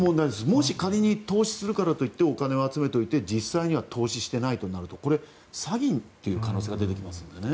もし仮に投資するからといってお金を集めておいて実際には投資していないとなるとこれは詐欺という可能性が出てきますのでね。